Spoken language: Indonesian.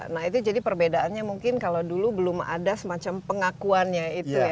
nah itu jadi perbedaannya mungkin kalau dulu belum ada semacam pengakuannya itu ya